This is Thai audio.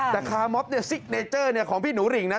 แต่คาร์มอฟเนี่ยซิกเนเจอร์ของพี่หนูริ่งนะ